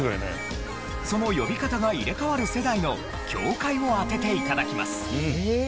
その呼び方が入れ替わる世代の境界を当てて頂きます。